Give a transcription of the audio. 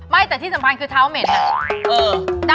แต่ที่สำคัญคือเท้าเหม็น